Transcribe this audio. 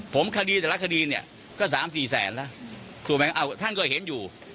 ผมคดีแต่ละคดีเนี่ยก็สามสี่แสนล่ะถูกไหมอ่าท่านก็เห็นอยู่